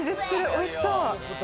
おいしそう！